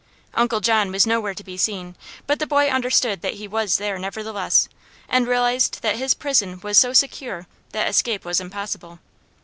Uncle John was nowhere to be seen, but the boy understood that he was there, nevertheless, and realized that his prison was so secure that escape was impossible.